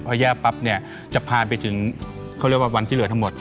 พอแย่ปั๊บเนี่ยจะผ่านไปถึงเขาเรียกว่าวันที่เหลือทั้งหมด